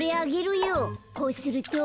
こうすると。